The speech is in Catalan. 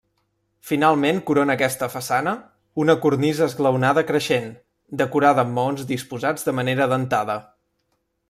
Finalment corona aquesta façana, una cornisa esglaonada creixent, decorada amb maons disposats de manera dentada.